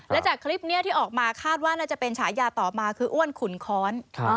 และจากคลิปนี้ที่ออกมาคาดว่าน่าจะเป็นฉายาต่อมาคืออ้วนขุนค้อน